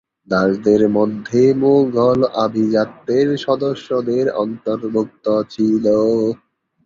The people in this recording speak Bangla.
দাসদের মধ্যে মোগল আভিজাত্যের সদস্যদের অন্তর্ভুক্ত ছিল।